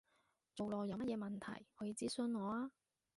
做落有乜嘢問題，可以諮詢我啊